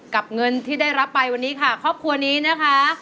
เงินที่ได้รับไปวันนี้ค่ะครอบครัวนี้นะคะ